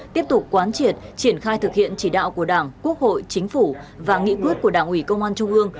tiếp tục quán triệt triển khai thực hiện chỉ đạo của đảng quốc hội chính phủ và nghị quyết của đảng ủy công an trung ương